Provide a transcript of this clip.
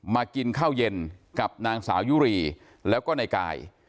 มากินข้าวเย็นกับนางสาวยุรีแล้วก็ในกาย